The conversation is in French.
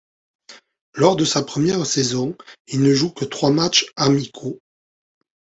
Lors de sa première saison, il ne joue que trois matchs amicaux.